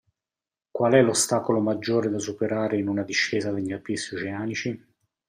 Qual è l'ostacolo maggiore da superare in una discesa negli abissi oceanici?